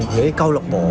những cái câu lọc bộ